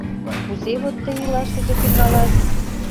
Кузе вот тый илашыже тӱҥалат?